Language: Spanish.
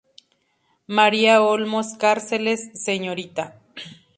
María Olmos Cárceles; Srta.